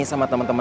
gak ada yang kabur